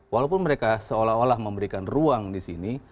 walaupun mereka seolah olah memberikan ruang disini